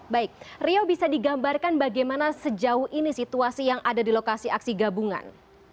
baik rio bisa digambarkan bagaimana sejauh ini situasi yang ada di lokasi aksi gabungan